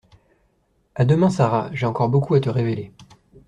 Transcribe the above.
À demain, Sara, j’ai encore beaucoup à te révéler.